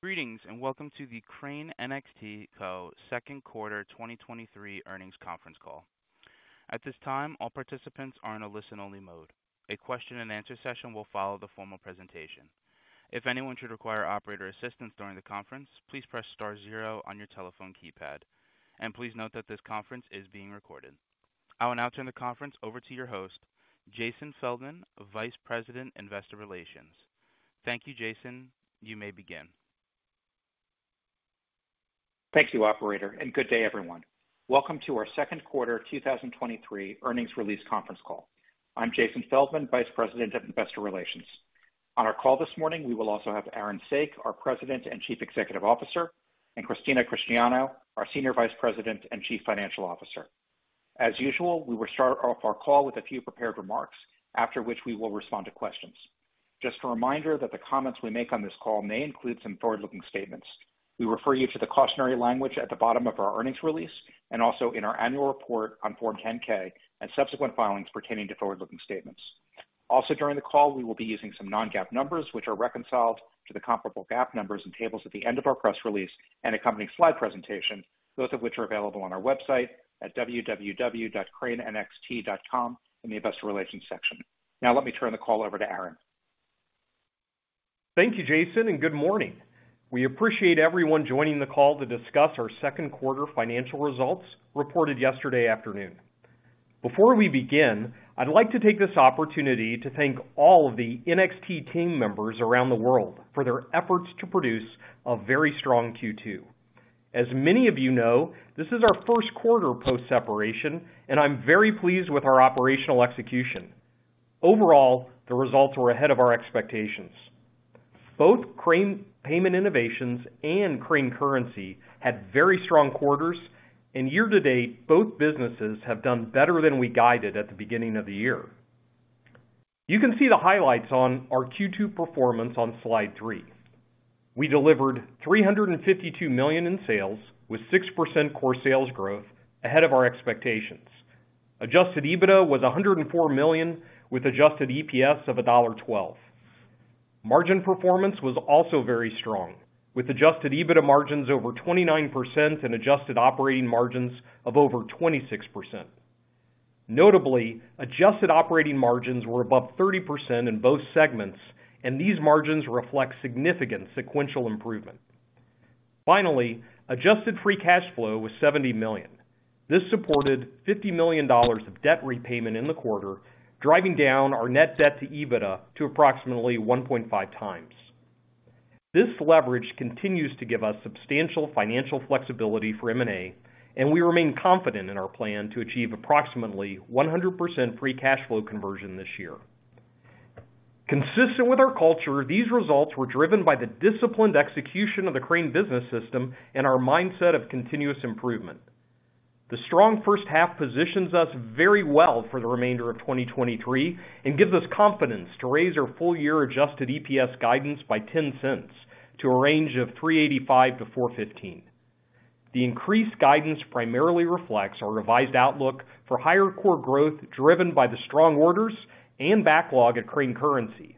Greetings, welcome to the Crane NXT, Co. second quarter 2023 earnings conference call. At this time, all participants are in a listen-only mode. A question and answer session will follow the formal presentation. If anyone should require operator assistance during the conference, please press star zero on your telephone keypad. Please note that this conference is being recorded. I will now turn the conference over to your host, Jason Feldman, Vice President, Investor Relations. Thank you, Jason. You may begin. Thank you, operator, and good day, everyone. Welcome to our second quarter 2023 earnings release conference call. I'm Jason Feldman, Vice President of Investor Relations. On our call this morning, we will also have Aaron Saak, our President and Chief Executive Officer, and Christina Cristiano, our Senior Vice President and Chief Financial Officer. As usual, we will start off our call with a few prepared remarks, after which we will respond to questions. Just a reminder that the comments we make on this call may include some forward-looking statements. We refer you to the cautionary language at the bottom of our earnings release and also in our annual report on Form 10-K and subsequent filings pertaining to forward-looking statements. Also, during the call, we will be using some non-GAAP numbers, which are reconciled to the comparable GAAP numbers and tables at the end of our press release and accompanying slide presentation, both of which are available on our website at www.cranenxt.com in the Investor Relations section. Now let me turn the call over to Aaron. Thank you, Jason, and good morning. We appreciate everyone joining the call to discuss our second quarter financial results reported yesterday afternoon. Before we begin, I'd like to take this opportunity to thank all of the NXT team members around the world for their efforts to produce a very strong Q2. As many of you know, this is our first quarter post-separation, and I'm very pleased with our operational execution. Overall, the results were ahead of our expectations. Both Crane Payment Innovations and Crane Currency had very strong quarters, and year to date, both businesses have done better than we guided at the beginning of the year. You can see the highlights on our Q2 performance on slide 3. We delivered $352 million in sales, with 6% core sales growth ahead of our expectations. Adjusted EBITDA was $104 million, with adjusted EPS of $1.12. Margin performance was also very strong, with adjusted EBITDA margins over 29% and adjusted operating margins of over 26%. Notably, adjusted operating margins were above 30% in both segments, and these margins reflect significant sequential improvement. Finally, adjusted free cash flow was $70 million. This supported $50 million of debt repayment in the quarter, driving down our net debt to EBITDA to approximately 1.5x. This leverage continues to give us substantial financial flexibility for M&A, and we remain confident in our plan to achieve approximately 100% free cash flow conversion this year. Consistent with our culture, these results were driven by the disciplined execution of the Crane Business System and our mindset of continuous improvement. The strong first half positions us very well for the remainder of 2023 and gives us confidence to raise our full-year adjusted EPS guidance by $0.10 to a range of $3.85-$4.15. The increased guidance primarily reflects our revised outlook for higher core growth, driven by the strong orders and backlog at Crane Currency.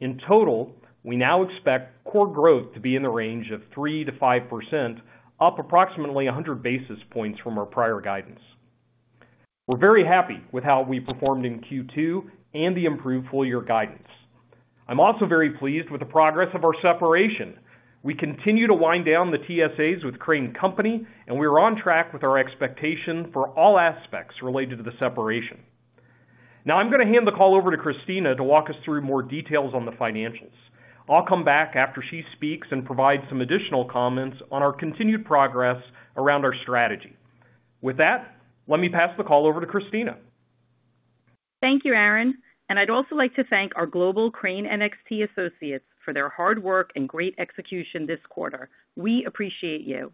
In total, we now expect core growth to be in the range of 3%-5%, up approximately 100 basis points from our prior guidance. We're very happy with how we performed in Q2 and the improved full-year guidance. I'm also very pleased with the progress of our separation. We continue to wind down the TSAs with Crane Company, and we are on track with our expectation for all aspects related to the separation. Now I'm going to hand the call over to Christina to walk us through more details on the financials. I'll come back after she speaks and provide some additional comments on our continued progress around our strategy. With that, let me pass the call over to Christina. Thank you, Aaron, and I'd also like to thank our global Crane NXT associates for their hard work and great execution this quarter. We appreciate you.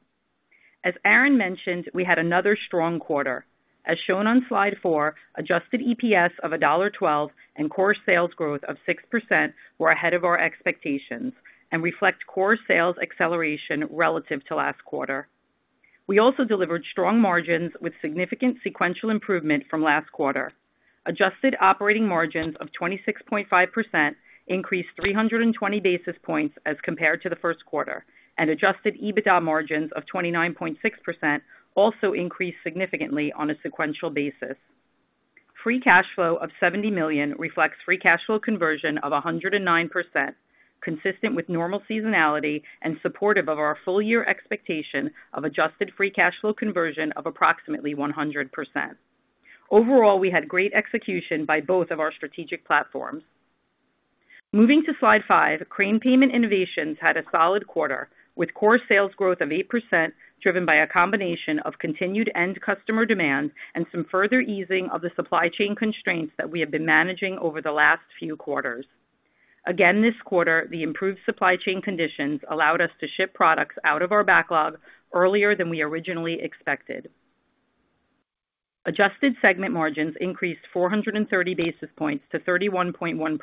As Aaron mentioned, we had another strong quarter. As shown on slide 4, adjusted EPS of $1.12 and core sales growth of 6% were ahead of our expectations and reflect core sales acceleration relative to last quarter. We also delivered strong margins with significant sequential improvement from last quarter. Adjusted operating margins of 26.5% increased 320 basis points as compared to the first quarter, and adjusted EBITDA margins of 29.6% also increased significantly on a sequential basis. Free cash flow of $70 million reflects free cash flow conversion of 109%, consistent with normal seasonality and supportive of our full year expectation of adjusted free cash flow conversion of approximately 100%. Overall, we had great execution by both of our strategic platforms. Moving to slide 5, Crane Payment Innovations had a solid quarter, with core sales growth of 8%, driven by a combination of continued end customer demand and some further easing of the supply chain constraints that we have been managing over the last few quarters. Again, this quarter, the improved supply chain conditions allowed us to ship products out of our backlog earlier than we originally expected. Adjusted segment margins increased 430 basis points to 31.1%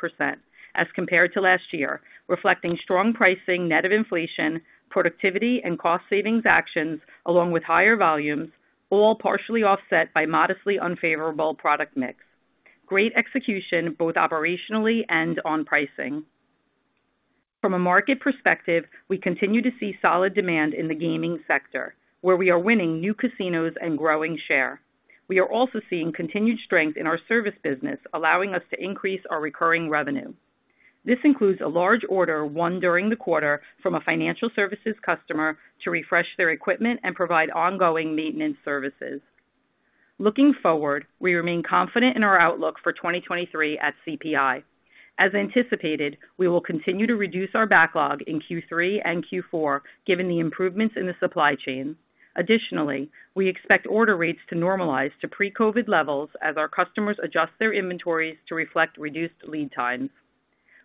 as compared to last year, reflecting strong pricing net of inflation, productivity and cost savings actions, along with higher volumes, all partially offset by modestly unfavorable product mix. Great execution, both operationally and on pricing. From a market perspective, we continue to see solid demand in the gaming sector, where we are winning new casinos and growing share. We are also seeing continued strength in our service business, allowing us to increase our recurring revenue. This includes a large order won during the quarter from a financial services customer to refresh their equipment and provide ongoing maintenance services. Looking forward, we remain confident in our outlook for 2023 at CPI. As anticipated, we will continue to reduce our backlog in Q3 and Q4, given the improvements in the supply chain. Additionally, we expect order rates to normalize to pre-COVID levels as our customers adjust their inventories to reflect reduced lead times.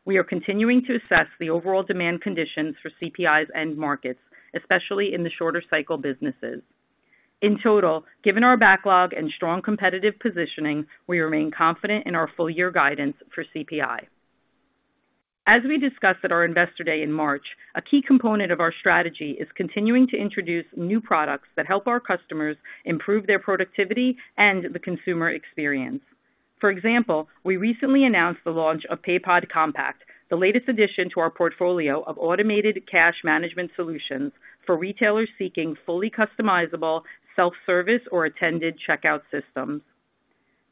We are continuing to assess the overall demand conditions for CPI's end markets, especially in the shorter cycle businesses. In total, given our backlog and strong competitive positioning, we remain confident in our full year guidance for CPI. As we discussed at our Investor Day in March, a key component of our strategy is continuing to introduce new products that help our customers improve their productivity and the consumer experience. For example, we recently announced the launch of Paypod Compact, the latest addition to our portfolio of automated cash management solutions for retailers seeking fully customizable self-service or attended checkout systems.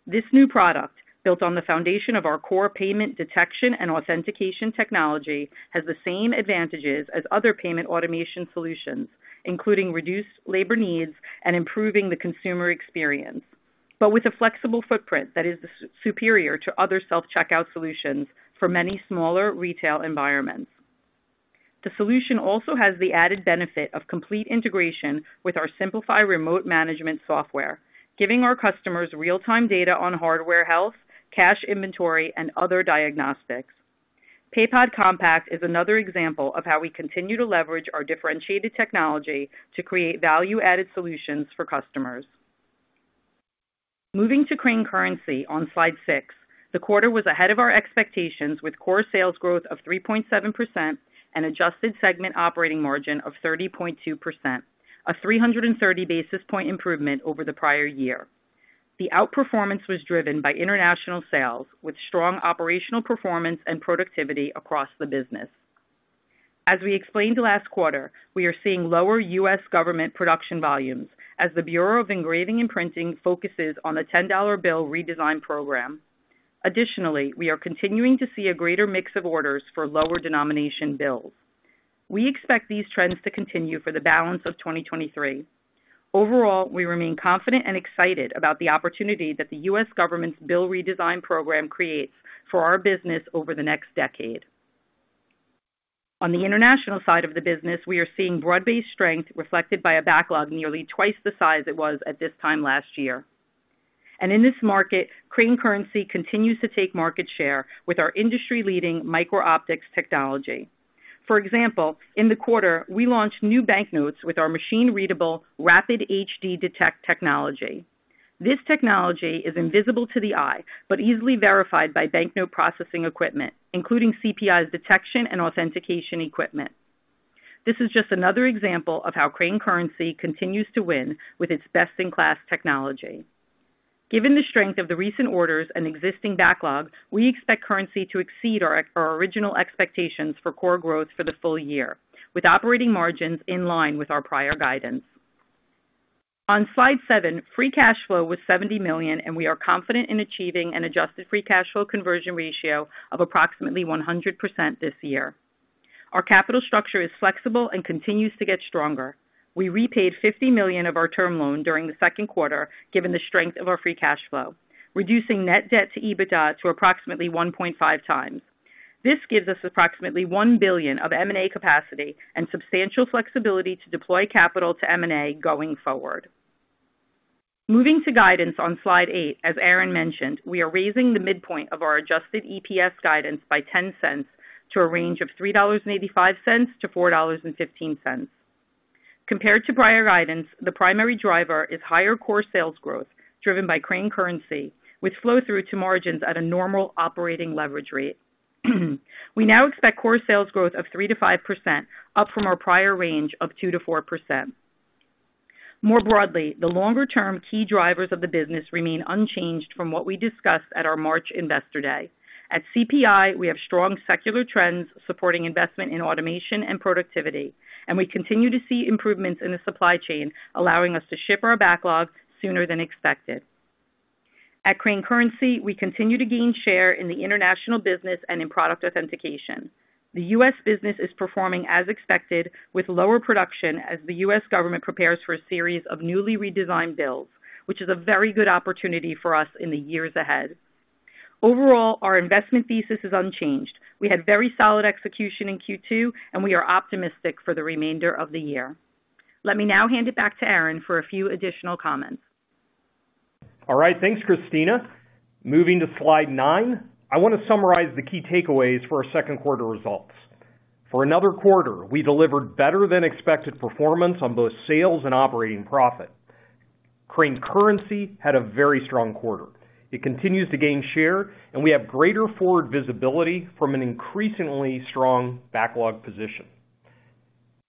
This new product, built on the foundation of our core payment detection and authentication technology, has the same advantages as other payment automation solutions, including reduced labor needs and improving the consumer experience, but with a flexible footprint that is superior to other self-checkout solutions for many smaller retail environments. The solution also has the added benefit of complete integration with our Simplifi remote management software, giving our customers real-time data on hardware health, cash inventory, and other diagnostics. Paypod Compact is another example of how we continue to leverage our differentiated technology to create value-added solutions for customers. Moving to Crane Currency on slide 6, the quarter was ahead of our expectations, with core sales growth of 3.7% and adjusted segment operating margin of 30.2%, a 330 basis point improvement over the prior year. The outperformance was driven by international sales, with strong operational performance and productivity across the business. As we explained last quarter, we are seeing lower U.S. government production volumes as the Bureau of Engraving and Printing focuses on a $10 bill redesign program. Additionally, we are continuing to see a greater mix of orders for lower denomination bills. We expect these trends to continue for the balance of 2023. Overall, we remain confident and excited about the opportunity that the U.S. government's bill redesign program creates for our business over the next decade. On the international side of the business, we are seeing broad-based strength, reflected by a backlog nearly twice the size it was at this time last year. In this market, Crane Currency continues to take market share with our industry-leading micro-optics technology. For example, in the quarter, we launched new banknotes with our machine-readable RAPID HD Detect technology. This technology is invisible to the eye, but easily verified by banknote processing equipment, including CPI's detection and authentication equipment. This is just another example of how Crane Currency continues to win with its best-in-class technology. Given the strength of the recent orders and existing backlog, we expect currency to exceed our, our original expectations for core growth for the full year, with operating margins in line with our prior guidance. On slide seven, free cash flow was $70 million, and we are confident in achieving an adjusted free cash flow conversion ratio of approximately 100% this year. Our capital structure is flexible and continues to get stronger. We repaid $50 million of our term loan during the second quarter, given the strength of our free cash flow, reducing net debt to EBITDA to approximately 1.5 times. This gives us approximately $1 billion of M&A capacity and substantial flexibility to deploy capital to M&A going forward. Moving to guidance on slide 8, as Aaron mentioned, we are raising the midpoint of our adjusted EPS guidance by $0.10 to a range of $3.85-$4.15. Compared to prior guidance, the primary driver is higher core sales growth, driven by Crane Currency, which flow through to margins at a normal operating leverage rate. We now expect core sales growth of 3%-5%, up from our prior range of 2%-4%. More broadly, the longer-term key drivers of the business remain unchanged from what we discussed at our March Investor Day. At CPI, we have strong secular trends supporting investment in automation and productivity, and we continue to see improvements in the supply chain, allowing us to ship our backlogs sooner than expected. At Crane Currency, we continue to gain share in the international business and in product authentication. The U.S. business is performing as expected, with lower production as the U.S. government prepares for a series of newly redesigned bills, which is a very good opportunity for us in the years ahead. Overall, our investment thesis is unchanged. We had very solid execution in Q2, and we are optimistic for the remainder of the year. Let me now hand it back to Aaron for a few additional comments. All right, thanks, Christina. Moving to slide 9, I want to summarize the key takeaways for our second quarter results. For another quarter, we delivered better-than-expected performance on both sales and operating profit. Crane Currency had a very strong quarter. It continues to gain share. We have greater forward visibility from an increasingly strong backlog position.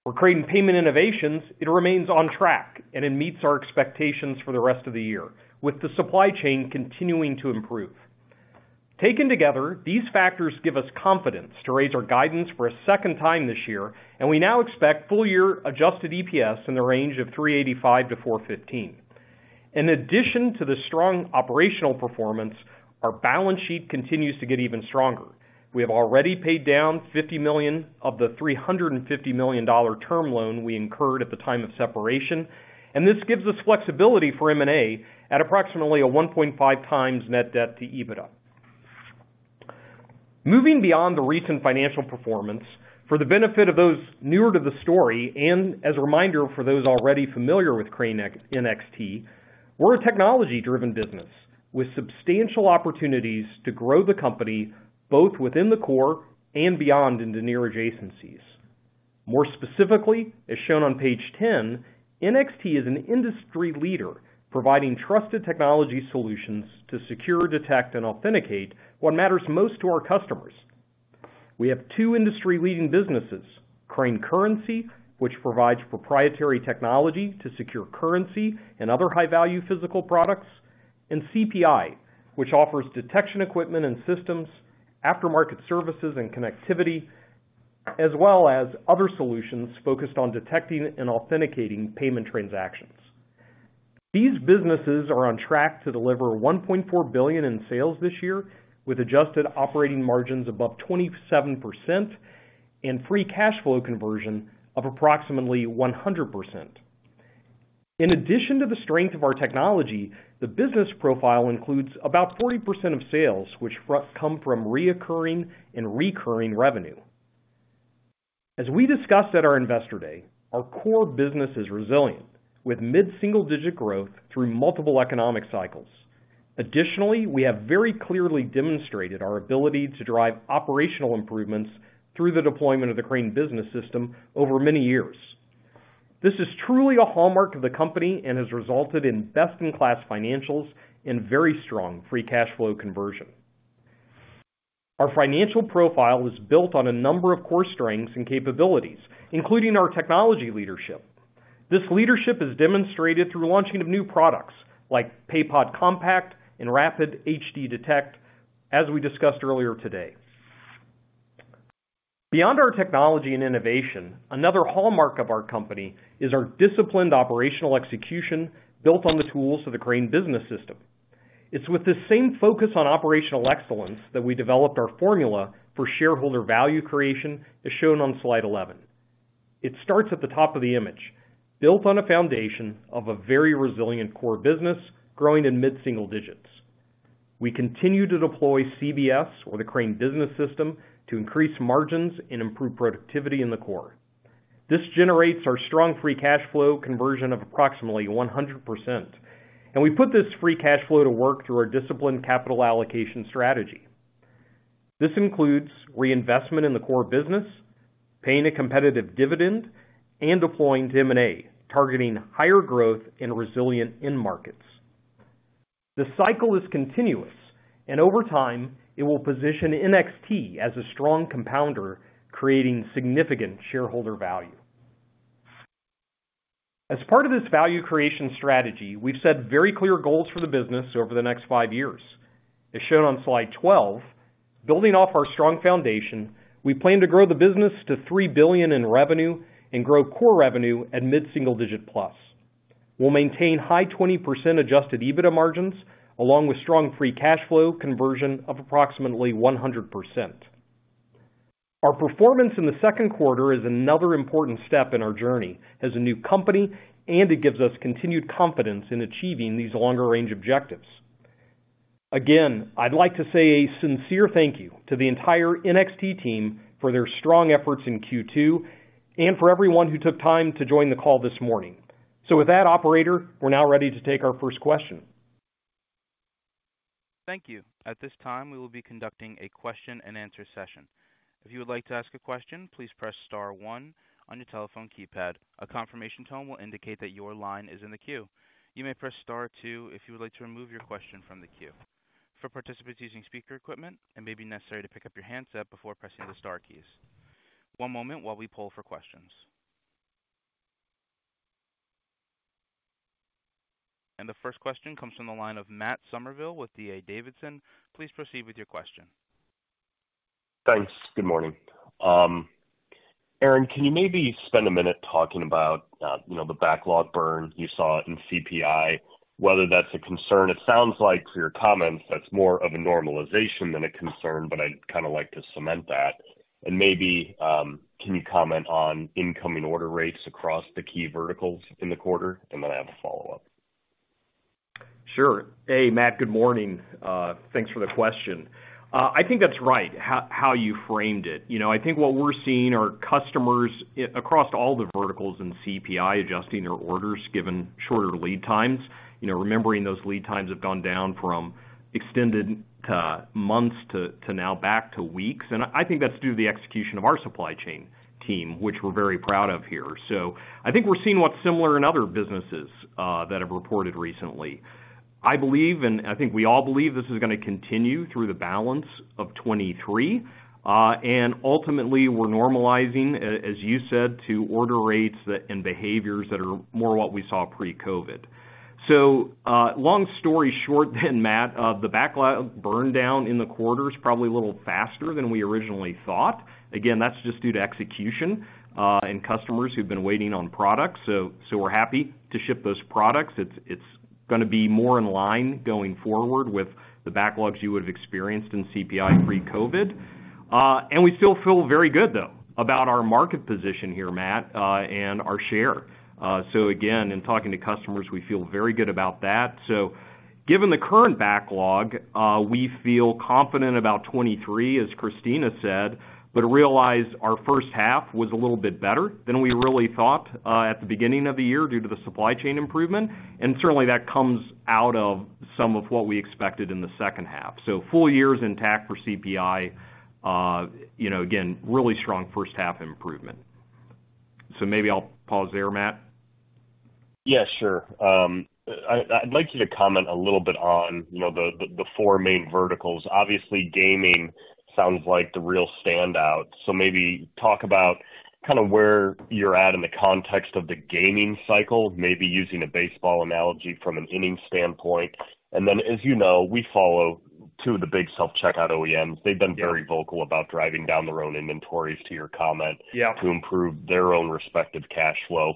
For Crane Payment Innovations, it remains on track, and it meets our expectations for the rest of the year, with the supply chain continuing to improve. Taken together, these factors give us confidence to raise our guidance for a second time this year. We now expect full-year adjusted EPS in the range of $3.85-$4.15. In addition to the strong operational performance, our balance sheet continues to get even stronger. We have already paid down $50 million of the $350 million term loan we incurred at the time of separation. This gives us flexibility for M&A at approximately a 1.5x net debt to EBITDA. Moving beyond the recent financial performance, for the benefit of those newer to the story, and as a reminder for those already familiar with Crane NXT, we're a technology-driven business with substantial opportunities to grow the company, both within the core and beyond into near adjacencies. More specifically, as shown on page 10, NXT is an industry leader, providing trusted technology solutions to secure, detect, and authenticate what matters most to our customers. We have two industry-leading businesses, Crane Currency, which provides proprietary technology to secure currency and other high-value physical products, and CPI, which offers detection equipment and systems, aftermarket services and connectivity, as well as other solutions focused on detecting and authenticating payment transactions. These businesses are on track to deliver $1.4 billion in sales this year, with adjusted operating margins above 27% and free cash flow conversion of approximately 100%. In addition to the strength of our technology, the business profile includes about 40% of sales, which come from reoccurring and recurring revenue. As we discussed at our Investor Day, our core business is resilient, with mid-single-digit growth through multiple economic cycles. Additionally, we have very clearly demonstrated our ability to drive operational improvements through the deployment of the Crane Business System over many years. This is truly a hallmark of the company and has resulted in best-in-class financials and very strong free cash flow conversion. Our financial profile is built on a number of core strengths and capabilities, including our technology leadership. This leadership is demonstrated through launching of new products like Paypod Compact and RAPID HD Detect, as we discussed earlier today. Beyond our technology and innovation, another hallmark of our company is our disciplined operational execution, built on the tools of the Crane Business System. It's with the same focus on operational excellence that we developed our formula for shareholder value creation, as shown on slide 11. It starts at the top of the image, built on a foundation of a very resilient core business, growing in mid-single digits. We continue to deploy CBS, or the Crane Business System, to increase margins and improve productivity in the core. This generates our strong free cash flow conversion of approximately 100%. We put this free cash flow to work through our disciplined capital allocation strategy. This includes reinvestment in the core business, paying a competitive dividend, and deploying to M&A, targeting higher growth and resilient end markets. The cycle is continuous. Over time, it will position NXT as a strong compounder, creating significant shareholder value. As part of this value creation strategy, we've set very clear goals for the business over the next five years. As shown on slide 12, building off our strong foundation, we plan to grow the business to $3 billion in revenue and grow core revenue at mid-single digit plus. We'll maintain high 20% adjusted EBITDA margins, along with strong free cash flow conversion of approximately 100%. Our performance in the second quarter is another important step in our journey as a new company. It gives us continued confidence in achieving these longer-range objectives. Again, I'd like to say a sincere thank you to the entire NXT team for their strong efforts in Q2, for everyone who took time to join the call this morning. With that operator, we're now ready to take our first question. Thank you. At this time, we will be conducting a question-and-answer session. If you would like to ask a question, please press star one on your telephone keypad. A confirmation tone will indicate that your line is in the queue. You may press star two if you would like to remove your question from the queue. For participants using speaker equipment, it may be necessary to pick up your handset before pressing the star keys. One moment while we pull for questions. The first question comes from the line of Matt Summerville with D.A. Davidson. Please proceed with your question. Thanks. Good morning. Aaron, can you maybe spend a minute talking about, you know, the backlog burn you saw in CPI, whether that's a concern? It sounds like from your comments, that's more of a normalization than a concern, but I'd kind of like to cement that. And maybe, can you comment on incoming order rates across the key verticals in the quarter? And then I have a follow-up. Sure. Hey, Matt, good morning. Thanks for the question. I think that's right, how, how you framed it. You know, I think what we're seeing are customers across all the verticals in CPI, adjusting their orders, given shorter lead times. You know, remembering those lead times have gone down from extended to months to now back to weeks. I think that's due to the execution of our supply chain team, which we're very proud of here. I think we're seeing what's similar in other businesses that have reported recently. I believe, and I think we all believe, this is gonna continue through the balance of 2023. Ultimately, we're normalizing, as you said, to order rates and behaviors that are more what we saw pre-COVID. Long story short then, Matt, the backlog burned down in the quarter is probably a little faster than we originally thought. Again, that's just due to execution, and customers who've been waiting on products. So we're happy to ship those products. It's, it's gonna be more in line going forward with the backlogs you would have experienced in CPI pre-COVID. We still feel very good, though, about our market position here, Matt, and our share. Again, in talking to customers, we feel very good about that. Given the current backlog, we feel confident about 2023, as Christina said, but realize our first half was a little bit better than we really thought, at the beginning of the year due to the supply chain improvement, and certainly, that comes out of some of what we expected in the second half. Full year is intact for CPI. Again, really strong first half improvement. Maybe I'll pause there, Matt. Yeah, sure. I, I'd like you to comment a little bit on, you know, the, the, the four main verticals. Obviously, gaming sounds like the real standout, so maybe talk about kind of where you're at in the context of the gaming cycle, maybe using a baseball analogy from an inning standpoint. Then, as you know, we follow two of the big self-checkout OEMs. Yeah. They've been very vocal about driving down their own inventories, to your comment... Yeah -to improve their own respective cash flow.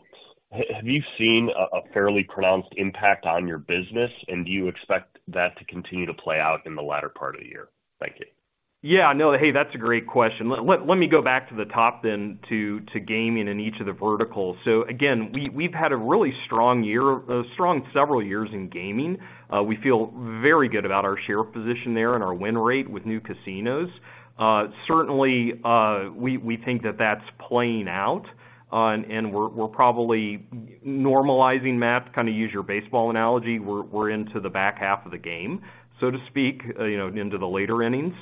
Have you seen a fairly pronounced impact on your business, and do you expect that to continue to play out in the latter part of the year? Thank you. Yeah, no. Hey, that's a great question. Let me go back to the top then to, to gaming in each of the verticals. Again, we've had a really strong year, a strong several years in gaming. We feel very good about our share position there and our win rate with new casinos. Certainly, we think that that's playing out, and we're probably normalizing, Matt, to kind of use your baseball analogy, we're into the back half of the game, so to speak, you know, into the later innings.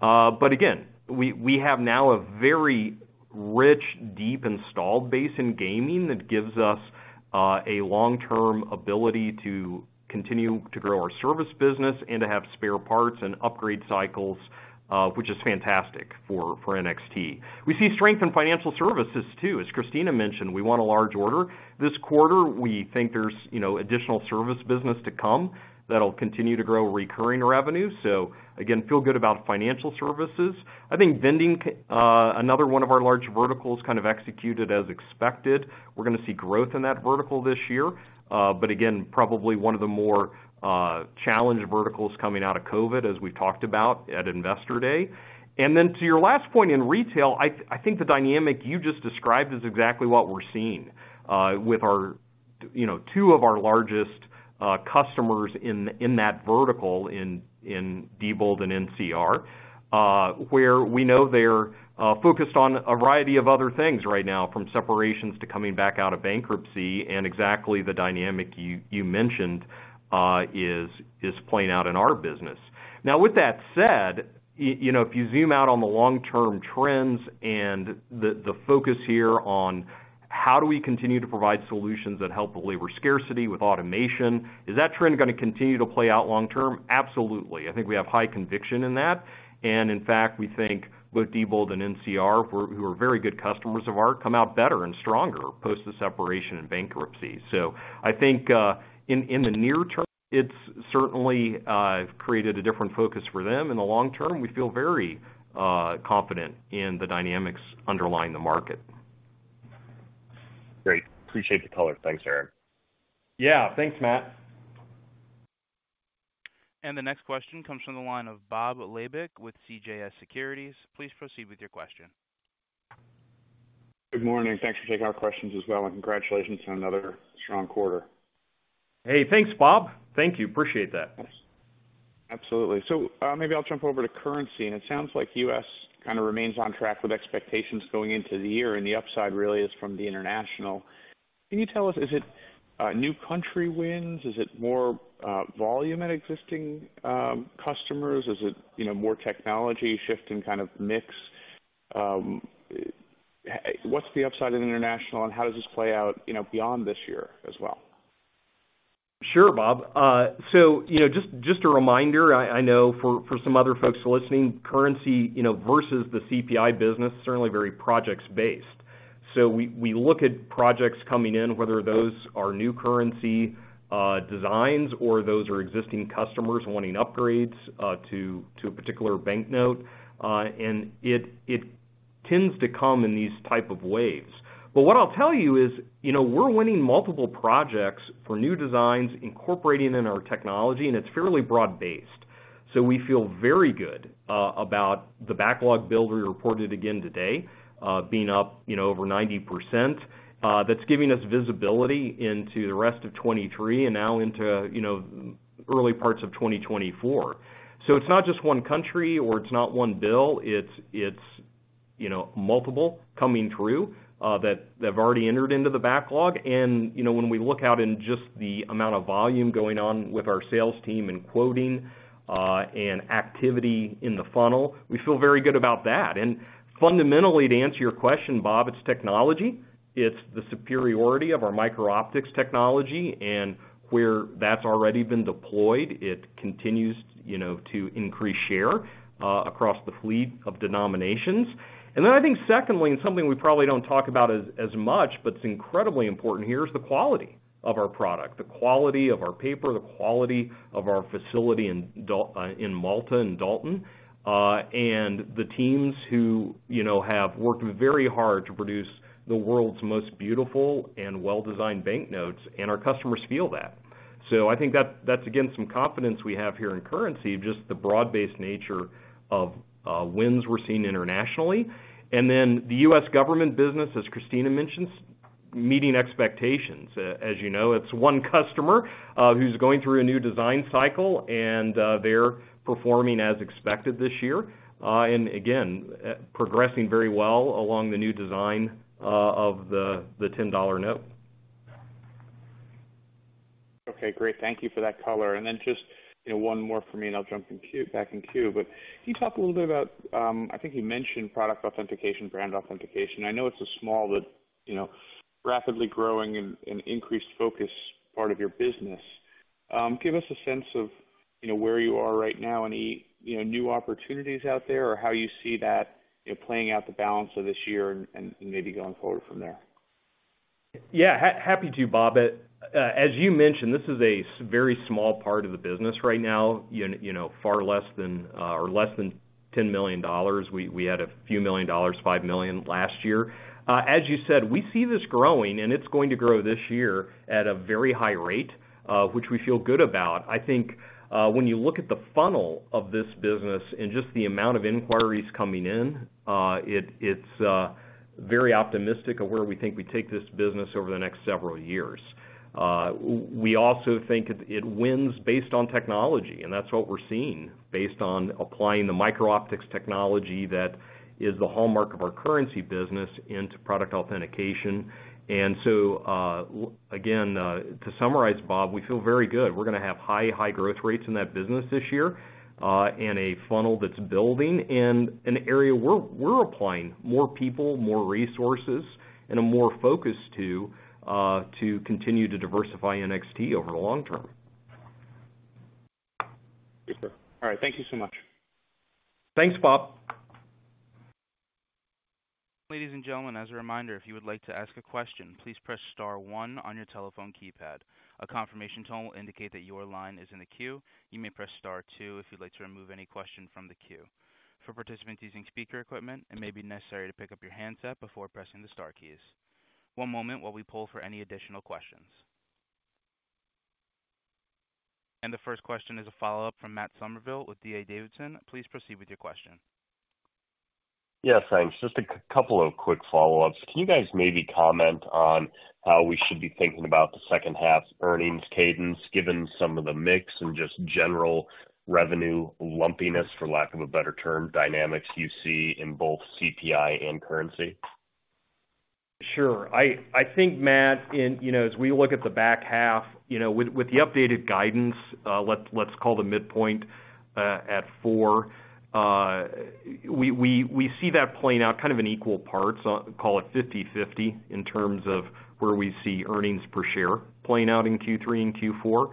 But again, we have now a very rich, deep installed base in gaming that gives us a long-term ability to continue to grow our service business and to have spare parts and upgrade cycles, which is fantastic for, for NXT. We see strength in financial services, too. As Christina mentioned, we won a large order this quarter. We think there's, you know, additional service business to come that'll continue to grow recurring revenue. Again, feel good about financial services. I think vending, another one of our large verticals, kind of executed as expected. We're gonna see growth in that vertical this year, but again, probably one of the more challenged verticals coming out of COVID, as we talked about at Investor Day. Then to your last point, in retail, I think the dynamic you just described is exactly what we're seeing, with our, you know, two of our largest customers in that vertical, in Diebold and NCR, where we know they're focused on a variety of other things right now, from separations to coming back out of bankruptcy. Exactly the dynamic you mentioned is playing out in our business. With that said, you know, if you zoom out on the long-term trends and the focus here on how do we continue to provide solutions that help with labor scarcity, with automation, is that trend gonna continue to play out long term? Absolutely. I think we have high conviction in that. In fact, we think both Diebold and NCR, who are very good customers of ours, come out better and stronger post the separation and bankruptcy. I think, in the near term, it's certainly created a different focus for them. In the long term, we feel very confident in the dynamics underlying the market. Great. Appreciate the color. Thanks, Aaron. Yeah. Thanks, Matt. The next question comes from the line of Bob Labick with CJS Securities. Please proceed with your question. Good morning. Thanks for taking our questions as well, and congratulations on another strong quarter. Hey, thanks, Bob. Thank you. Appreciate that. Absolutely. Maybe I'll jump over to currency, and it sounds like U.S. kind of remains on track with expectations going into the year, and the upside really is from the international. Can you tell us, is it new country wins? Is it more volume at existing customers? Is it more technology shifting kind of mix? What's the upside in international, and how does this play out, you know, beyond this year as well? Sure, Bob. Just, just a reminder, I, I know for, for some other folks listening, currency, you know, versus the CPI business, certainly very projects-based. We, we look at projects coming in, whether those are new currency designs or those are existing customers wanting upgrades to a particular banknote, and it, it tends to come in these type of waves. What I'll tell you is, you know, we're winning multiple projects for new designs, incorporating in our technology, and it's fairly broad-based. We feel very good about the backlog build we reported again today, being up, you know, over 90%. That's giving us visibility into the rest of 2023 and now into early parts of 2024. It's not just one country or it's not one bill, it's, it's-... you know, multiple coming through, that, that have already entered into the backlog. you know, when we look out in just the amount of volume going on with our sales team and quoting, and activity in the funnel, we feel very good about that. Fundamentally, to answer your question, Bob, it's technology. It's the superiority of our micro-optics technology, and where that's already been deployed, it continues to increase share across the fleet of denominations. I think secondly, and something we probably don't talk about as, as much, but it's incredibly important here, is the quality of our product, the quality of our paper, the quality of our facility in Malta and Dalton, and the teams who, you know, have worked very hard to produce the world's most beautiful and well-designed banknotes. Our customers feel that. I think that's, that's, again, some confidence we have here in currency, of just the broad-based nature of wins we're seeing internationally. The U.S. government business, as Christina mentioned, meeting expectations. As you know, it's one customer who's going through a new design cycle, and they're performing as expected this year, and again, progressing very well along the new design of the $10 note. Okay, great. Thank you for that color. Then just, you know, one more for me, and I'll jump back in queue. Can you talk a little bit about, I think you mentioned product authentication, brand authentication? I know it's a small, but, you know, rapidly growing and, and increased focus part of your business. Give us a sense of, you know, where you are right now, any, you know, new opportunities out there, or how you see that, you know, playing out the balance of this year and, and maybe going forward from there? Yeah, happy to, Bob. As you mentioned, this is a very small part of the business right now, you know, far less than, or less than $10 million. We, we had a few million dollars, $5 million last year. As you said, we see this growing, and it's going to grow this year at a very high rate, which we feel good about. I think, when you look at the funnel of this business and just the amount of inquiries coming in, it, it's very optimistic of where we think we take this business over the next several years. We also think it, it wins based on technology, and that's what we're seeing, based on applying the micro-optics technology that is the hallmark of our currency business into product authentication. So, again, to summarize, Bob, we feel very good. We're gonna have high, high growth rates in that business this year, and a funnel that's building and an area we're, we're applying more people, more resources, and a more focus to, to continue to diversify NXT over the long term. Yes, sir. All right, thank you so much. Thanks, Bob. Ladies and gentlemen, as a reminder, if you would like to ask a question, please press star one on your telephone keypad. A confirmation tone will indicate that your line is in the queue. You may press star two if you'd like to remove any question from the queue. For participants using speaker equipment, it may be necessary to pick up your handset before pressing the star keys. One moment while we pull for any additional questions. And the first question is a follow-up from Matt Summerville with D.A. Davidson. Please proceed with your question. Yes, thanks. Just a couple of quick follow-ups. Can you guys maybe comment on how we should be thinking about the second half's earnings cadence, given some of the mix and just general revenue lumpiness, for lack of a better term, dynamics you see in both CPI and currency? Sure. I, I think, Matt, in, you know, as we look at the back half, you know, with, with the updated guidance, let's, let's call the midpoint, at $4, we, we, we see that playing out kind of in equal parts, call it 50/50, in terms of where we see earnings per share playing out in Q3 and Q4.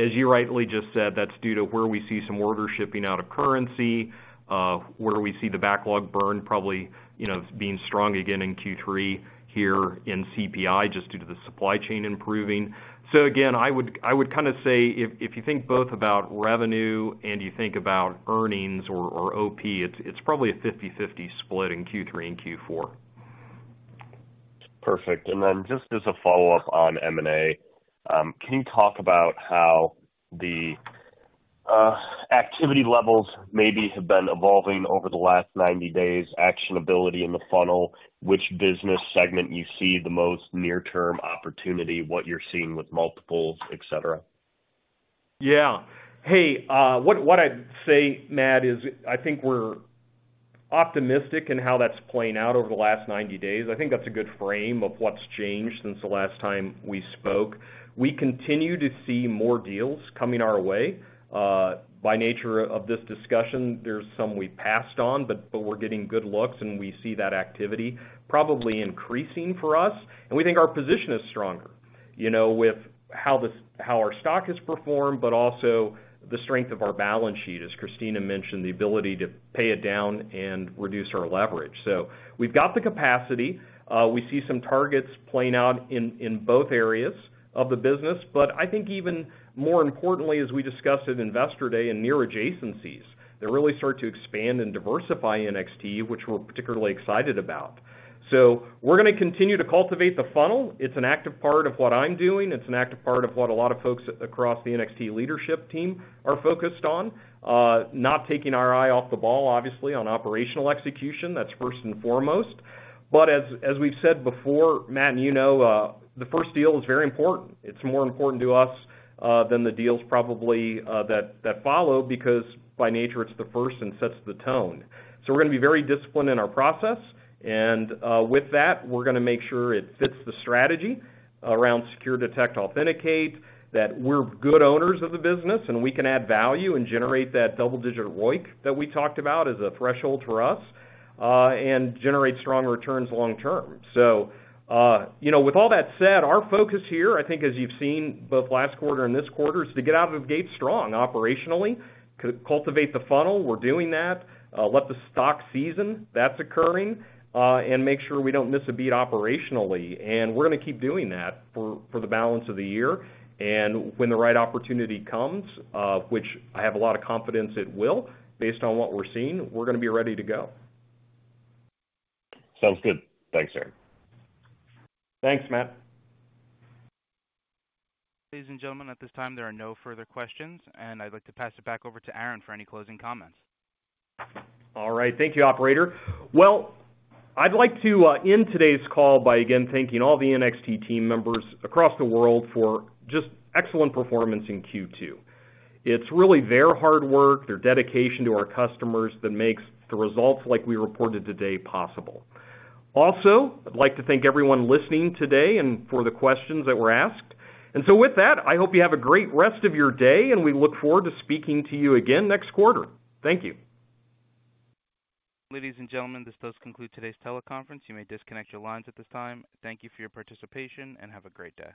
As you rightly just said, that's due to where we see some order shipping out of currency, where we see the backlog burn probably, you know, being strong again in Q3 here in CPI, just due to the supply chain improving. Again, I would, I would kind of say if, if you think both about revenue and you think about earnings or, or OP, it's, it's probably a 50/50 split in Q3 and Q4. Perfect. Then just as a follow-up on M&A, can you talk about how the activity levels maybe have been evolving over the last 90 days, actionability in the funnel, which business segment you see the most near-term opportunity, what you're seeing with multiples, et cetera? Yeah. Hey, what I'd say, Matt, is I think we're optimistic in how that's playing out over the last 90 days. I think that's a good frame of what's changed since the last time we spoke. We continue to see more deals coming our way. By nature of this discussion, there's some we passed on, but we're getting good looks, and we see that activity probably increasing for us. We think our position is stronger, you know, with how our stock has performed, but also the strength of our balance sheet, as Christina mentioned, the ability to pay it down and reduce our leverage. We've got the capacity. We see some targets playing out in, in both areas of the business. I think even more importantly, as we discussed at Investor Day and near adjacencies, they're really start to expand and diversify NXT, which we're particularly excited about. We're gonna continue to cultivate the funnel. It's an active part of what I'm doing. It's an active part of what a lot of folks across the NXT leadership team are focused on. Not taking our eye off the ball, obviously, on operational execution. That's first and foremost. As, as we've said before, Matt, and the first deal is very important. It's more important to us than the deals probably that, that follow, because by nature, it's the first and sets the tone. We're gonna be very disciplined in our process, and with that, we're gonna make sure it fits the strategy around secure, detect, authenticate, that we're good owners of the business, and we can add value and generate that double-digit ROIC that we talked about as a threshold for us, and generate strong returns long term. You know, with all that said, our focus here, I think, as you've seen both last quarter and this quarter, is to get out of the gate strong operationally, cultivate the funnel, we're doing that, let the stock season, that's occurring, and make sure we don't miss a beat operationally. We're gonna keep doing that for, for the balance of the year. When the right opportunity comes, which I have a lot of confidence it will, based on what we're seeing, we're gonna be ready to go. Sounds good. Thanks, Aaron. Thanks, Matt. Ladies and gentlemen, at this time, there are no further questions, and I'd like to pass it back over to Aaron for any closing comments. All right. Thank you, operator. Well, I'd like to end today's call by again thanking all the NXT team members across the world for just excellent performance in Q2. It's really their hard work, their dedication to our customers, that makes the results like we reported today possible. I'd like to thank everyone listening today and for the questions that were asked. With that, I hope you have a great rest of your day, and we look forward to speaking to you again next quarter. Thank you. Ladies and gentlemen, this does conclude today's teleconference. You may disconnect your lines at this time. Thank you for your participation, and have a great day.